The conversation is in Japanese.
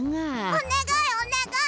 おねがいおねがい！